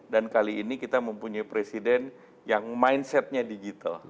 dan kali ini kita mempunyai presiden yang mindsetnya digital